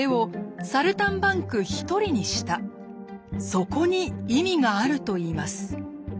そこに意味があるといいます。